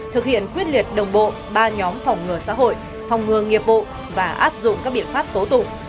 thực hiện quyết liệt đồng bộ ba nhóm phòng ngừa xã hội phòng ngừa nghiệp vụ và áp dụng các biện pháp tố tụ